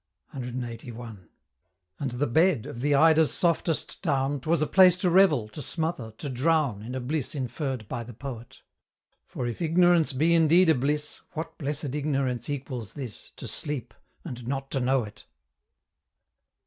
CLXXXI. And the bed of the Eider's softest down, 'Twas a place to revel, to smother, to drown In a bliss inferr'd by the Poet; For if Ignorance be indeed a bliss, What blessed ignorance equals this, To sleep and not to know it?